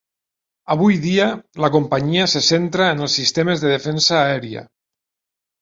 Avui dia la companyia se centra en els sistemes de defensa aèria.